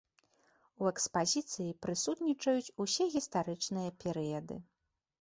У экспазіцыі прысутнічаюць усе гістарычныя перыяды.